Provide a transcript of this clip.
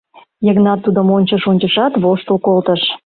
Йыгнат тудым ончыш-ончышат, воштыл колтыш.